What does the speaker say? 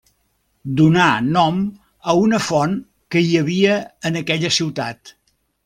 Donà nom a una font que hi havia en aquella ciutat.